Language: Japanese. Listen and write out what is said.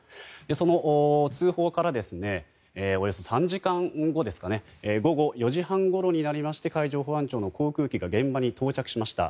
その通報からおよそ３時間後午後４時半ごろになりまして海上保安庁の航空機が現場に到着しました。